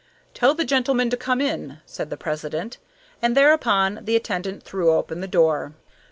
"Tell the gentleman to come in," said the president, and thereupon the attendant threw open the door.